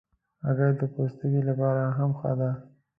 هګۍ د پوستکي لپاره هم ښه ده.